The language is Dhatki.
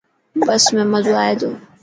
بس ۾ مزو آئي تو.